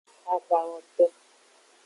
Avawoto.